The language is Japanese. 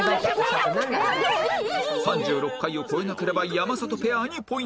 ３６回を超えなければ山里ペアにポイント